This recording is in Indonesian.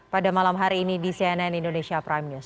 pada malam hari ini di cnn indonesia prime news